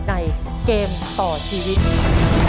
ในเกมต่อชีวิต